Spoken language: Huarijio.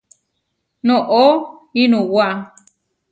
Noʼó iʼnuwá.